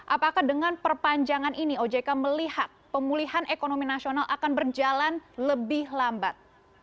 apakah dengan perpanjangan ini ojk melihat pemulihan ekonomi nasional akan berjalan lebih lambat